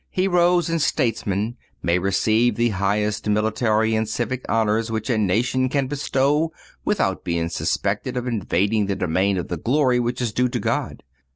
Heroes and statesmen may receive the highest military and civic honors which a nation can bestow without being suspected of invading the domain of the glory which is due to God.